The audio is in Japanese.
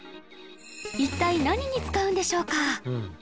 一体何に使うんでしょうか？